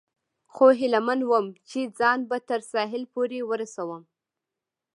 خو هیله من ووم، چې ځان به تر ساحل پورې ورسوم.